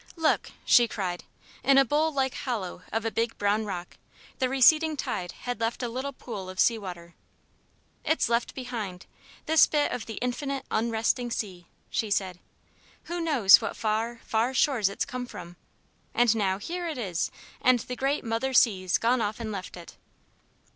"Look!" she cried. In a bowl like hollow of a big brown rock, the receding tide had left a little pool of sea water. "It's left behind this bit of the infinite, unresting sea!" she said. "Who knows what far, far shores it's come from? And now, here it is, and the great mother sea's gone off and left it."